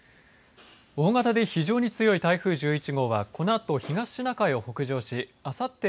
大型で非常に強い台風１１号はこのあと東シナ海を北上しあさって